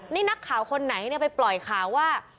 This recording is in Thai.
นี่นักข่าวคนไหนไปปล่อยข่าวว่า